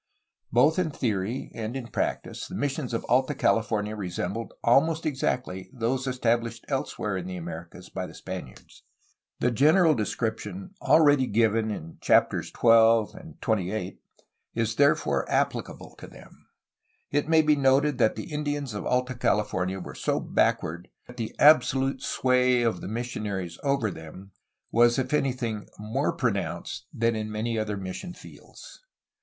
Both in theory and in practice the missions of Alta Califor nia resembled, almost exactly, those established elsewhere in the Americas by the Spaniards. The general description already given is therefore applicable to them.^ It may be » See chapters XII and XXVIII. 386 A HISTORY OF CALIFORNIA noted that the Indians of Alta California were so backward that the absolute sway of the missionaries over them was if anything more pronounced than in many other mission fields.